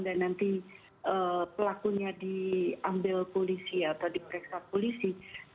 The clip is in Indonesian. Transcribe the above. dan nanti pelakunya diambil polisi atau diperiksa polisi